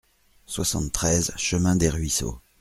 soixante-treize chemin Desruisseaux